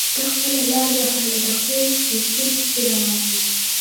ده خپله لاره وهله د خپل څښتن پسې روان و.